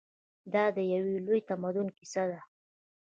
دا د یو لوی تمدن کیسه ده.